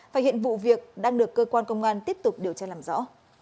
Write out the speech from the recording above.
và hiện vụ việc đang được cơ quan công an tiếp tục điều tra làm rõ